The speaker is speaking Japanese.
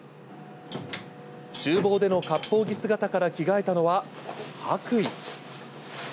ちゅう房でのかっぽう着姿から着替えたのは、白衣。